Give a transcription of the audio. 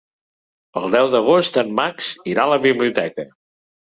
El deu d'agost en Max irà a la biblioteca.